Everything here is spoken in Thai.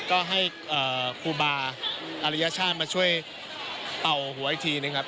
ก็ให้ครูบาร์อารยชาติมาช่วยเตาหัวไอทีนะครับ